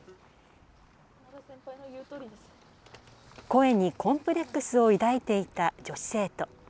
声にコンプレックスを抱いていた女子生徒。